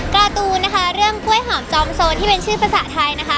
การ์ตูนนะคะเรื่องกล้วยหอมจอมโซนที่เป็นชื่อภาษาไทยนะคะ